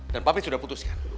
dan papi sudah putuskan